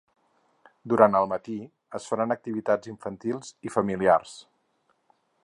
Durant el matí es faran activitats infantils i familiars.